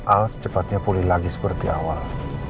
al secepatnya pulih lagi seperti awal